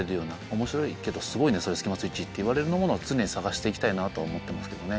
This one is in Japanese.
「面白いけどすごいねそれスキマスイッチ」って言われるものを常に探していきたいなとは思ってますけどね。